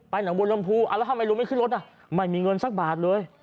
ไปหนังบัวลำภูแล้วถ้าไม่รู้ไม่ขึ้นรถไม่มีเงินสักบาทเลย